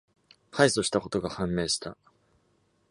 敗訴したことが判明した。